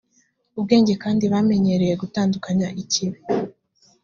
ubwenge kandi bamenyereye gutandukanya ikibi